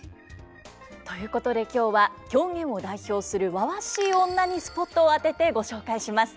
ということで今日は狂言を代表するわわしい女にスポットを当ててご紹介します。